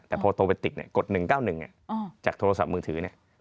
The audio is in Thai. แต่พอโทรไปติดก็ติด๐๙๑จากโทรศัพท์มือถือเนี่ยไปติด